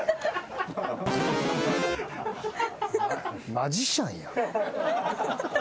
マジシャンやん。